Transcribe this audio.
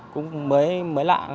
cũng mới lạ